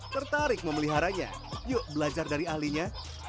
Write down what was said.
tertarik memeliharanya yuk belajar dari ahlinya